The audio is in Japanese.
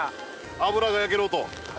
脂が焼ける音。